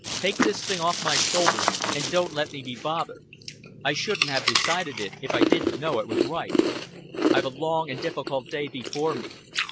Take this thing off my shoulders, and don't let me be bothered. I shouldn't have decided it, if I didn't know it was right. I've a long and difficult day before me.